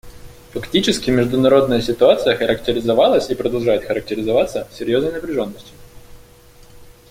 Фактически, международная ситуация характеризовалась и продолжает характеризоваться серьезной напряженностью.